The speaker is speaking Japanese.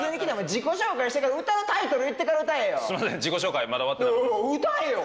自己紹介して歌うタイトル言ってから歌えよ！